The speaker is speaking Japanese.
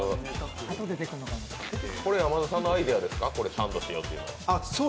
これは山田さんのアイデアですか、サンドしようというのは？